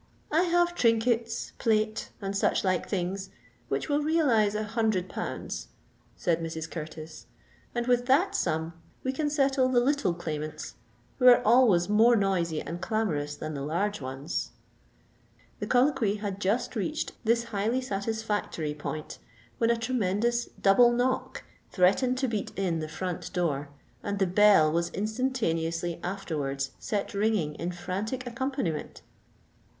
"I have trinkets, plate, and such like things which will realise a hundred pounds," said Mrs. Curtis; "and with that sum we can settle the little claimants, who are always more noisy and clamourous than the large ones." The colloquy had just reached this highly satisfactory point, when a tremendous double knock threatened to beat in the front door, and the bell was instantaneously afterwards set ringing in frantic accompaniment.